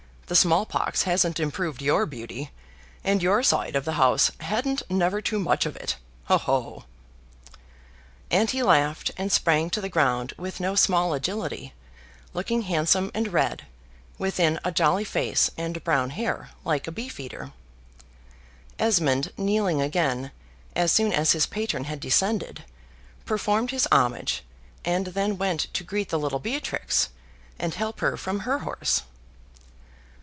The small pox hasn't improved your beauty, and your side of the house hadn't never too much of it ho, ho!" And he laughed, and sprang to the ground with no small agility, looking handsome and red, within a jolly face and brown hair, like a Beef eater; Esmond kneeling again, as soon as his patron had descended, performed his homage, and then went to greet the little Beatrix, and help her from her horse.